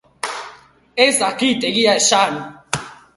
Ez dakit, egia esan.